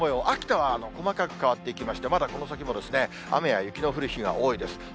秋田は細かく変わっていきまして、まだこの先も、雨や雪の降る日が多いです。